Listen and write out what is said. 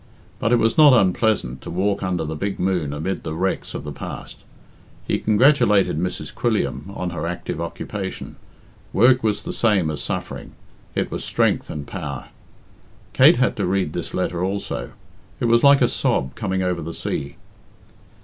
But it was not unpleasant to walk under the big moon amid the wrecks of the past. He congratulated Mrs. Quilliam on her active occupation work was the same as suffering it was strength and power. Kate had to read this letter also. It was like a sob coming over the sea.